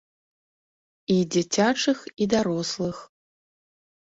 І дзіцячых, і дарослых.